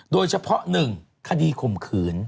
โดยเฉพาะ๑คดีข่มขืน